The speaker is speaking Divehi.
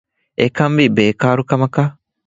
އެކަންވީ ބޭކާރު ކަމަކަށް